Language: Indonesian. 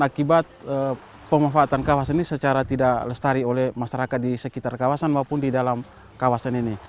akibat pemanfaatan kawasan ini secara tidak lestari oleh masyarakat di sekitar kawasan maupun di dalam kawasan ini